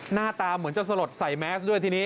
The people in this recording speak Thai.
หน้าตาเหมือนจะสลดใส่แมสด้วยทีนี้